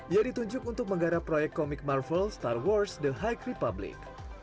ia ditunjuk untuk menggarap proyek komik marvel star wars the high republic